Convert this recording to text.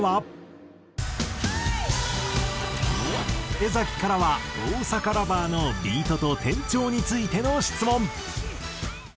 江からは『大阪ＬＯＶＥＲ』のビートと転調についての質問。